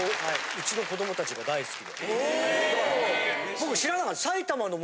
僕知らなかった。